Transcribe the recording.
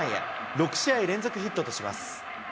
６試合連続ヒットとします。